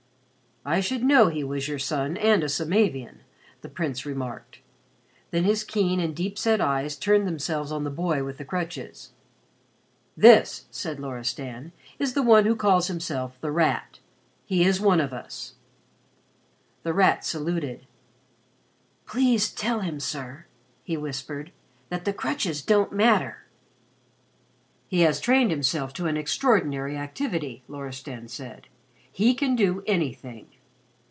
"I should know he was your son and a Samavian," the Prince remarked. Then his keen and deep set eyes turned themselves on the boy with the crutches. "This," said Loristan, "is the one who calls himself The Rat. He is one of us." The Rat saluted. "Please tell him, sir," he whispered, "that the crutches don't matter." "He has trained himself to an extraordinary activity," Loristan said. "He can do anything."